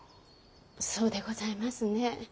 そうでございますね。